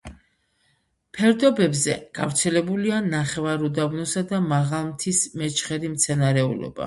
ფერდობებზე გავრცელებულია ნახევარუდაბნოსა და მაღალმთის მეჩხერი მცენარეულობა.